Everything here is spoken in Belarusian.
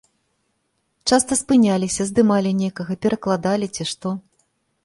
Часта спыняліся, здымалі некага, перакладалі, ці што.